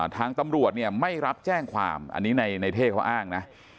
ทางตำรวจเนี่ยไม่รับแจ้งความอันนี้ในเท่เขาอ้างนะ